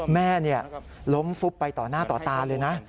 แม่ล้มฟุบไปต่อหน้าต่อตาเลยนะ